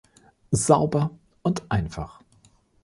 Sauber und einfach.